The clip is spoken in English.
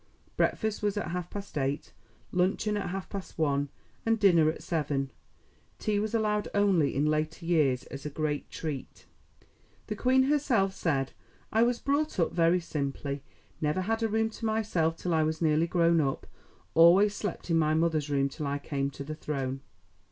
Breakfast was at half past eight, luncheon at half past one, and dinner at seven. Tea was allowed only in later years as a great treat. The Queen herself said: "I was brought up very simply never had a room to myself till I was nearly grown up always slept in my mother's room till I came to the throne."